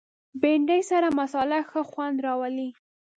بېنډۍ سره مصالحه ښه خوند راولي